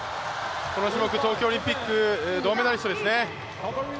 この種目、東京オリンピック銅メダリストですね。